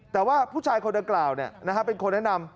แต่ว่าผู้ชายคนดังกล่าวเป็นคนแนะนำ